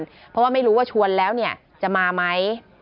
เพราะว่าไม่รู้ว่าชวนแล้วเนี่ยจะมาไหม